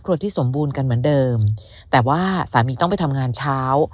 ที่สมบูรณ์กันเหมือนเดิมแต่ว่าสามีต้องไปทำงานเช้า